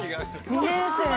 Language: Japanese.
２年生。